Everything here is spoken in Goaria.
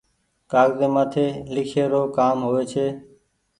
ڪآگزي مآٿي لکي رو ڪآم هووي ڇي۔